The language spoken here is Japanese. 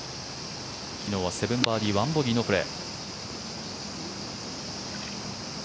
昨日は７バーディー１ボギーのプレー。